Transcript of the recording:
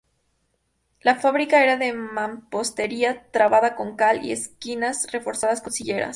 La fábrica era de mampostería trabada con cal y esquinas reforzadas con sillares.